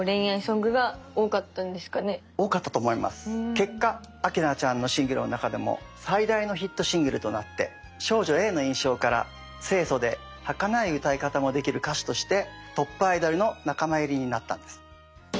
結果明菜ちゃんのシングルの中でも最大のヒットシングルとなって「少女Ａ」の印象から清楚ではかない歌い方もできる歌手としてトップアイドルの仲間入りになったんです。